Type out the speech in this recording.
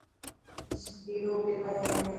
اڄ سنڌي رو پيپر هي.